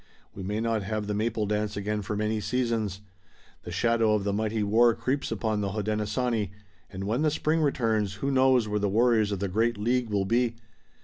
We may not have the Maple Dance again for many seasons. The shadow of the mighty war creeps upon the Hodenosaunee, and when the spring returns who knows where the warriors of the great League will be?